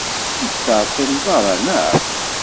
Ur tettɛeṭṭileḍ ara, naɣ?